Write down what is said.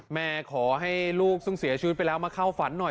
แม่ขอให้ลูกซึ่งเสียชีวิตไปแล้วมาเข้าฝันหน่อย